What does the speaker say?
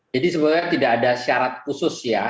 jadi sebenarnya tidak ada syarat khusus ya